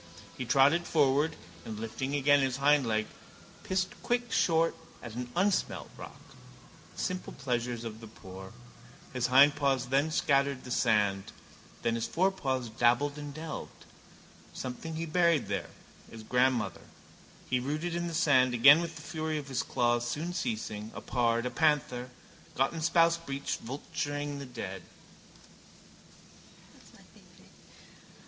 He trotted forward and, lifting again his hindleg, pissed quick short at an unsmelt rock. The simple pleasures of the poor. His hindpaws then scattered the sand: then his forepaws dabbled and delved. Something he buried there, his grandmother. He rooted in the sand, dabbling, delving and stopped to listen to the air, scraped up the sand again with a fury of his claws, soon ceasing, a pard, a panther, got in spousebreach, vulturing the dead.